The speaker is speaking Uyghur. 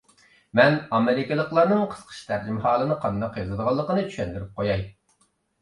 مەن ئامېرىكىلىقلارنىڭ قىسقىچە تەرجىمىھالىنى قانداق يازىدىغانلىقىنى چۈشەندۈرۈپ قوياي.